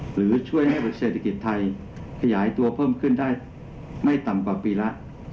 หรือช่วยให้เศรษฐกิจไทยขยายตัวเพิ่มขึ้นได้ไม่ต่ำกว่าปีแล้ว